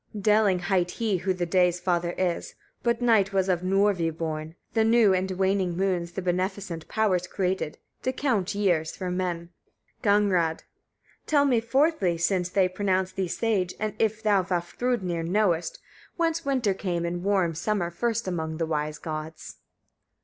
_ 25. Delling hight he who the day's father is, but night was of Nörvi born; the new and waning moons the beneficent powers created, to count years for men. Gagnrâd. 26. Tell me fourthly, since they pronounce thee sage, and if thou, Vafthrûdnir! knowest, whence winter came, and warm summer first among the wise gods?